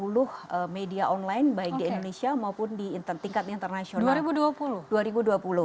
di dua ribu dua puluh media online baik di indonesia maupun di tingkat internasional